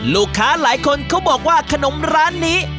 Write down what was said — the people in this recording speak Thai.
ลูกค้าหลายคนเขาบอกว่าขนมร้านนี้